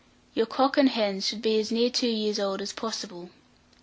Your cock and hens should be as near two years old as possible.